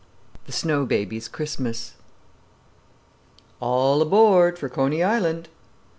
THE SNOW BABIES' CHRISTMAS "All aboard for Coney Island!"